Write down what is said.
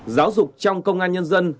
giáo dục trong công an nhân dân